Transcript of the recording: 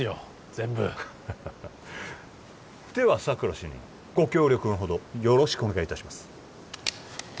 全部では佐久良主任ご協力のほどよろしくお願いいたします